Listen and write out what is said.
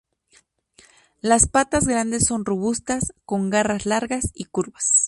Las patas grandes son robustas, con garras largas y curvas.